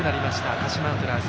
鹿島アントラーズ。